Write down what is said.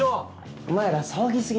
お前ら騒ぎ過ぎ。